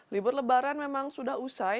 libur lebaran memang sudah usai